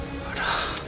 あら。